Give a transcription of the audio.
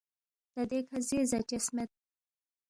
تا دیکھہ زے زاچس مید